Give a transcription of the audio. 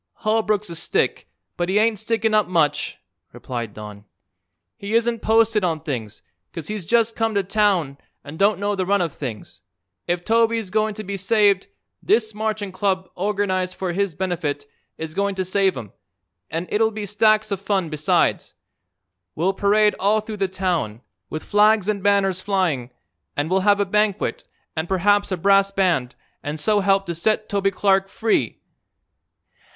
"Holbrook's a stick, but he ain't stickin' up much," replied Don. "He isn't posted on things, 'cause he's just come to town and don't know the run of things. If Toby's goin' to be saved, this Marching Club, organized for his benefit, is goin' to save him, and it'll be stacks of fun besides. We'll parade all through the town, with flags an' banners flying, an' we'll have a banquet, an' perhaps a brass band, an' so help to set Toby Clark free."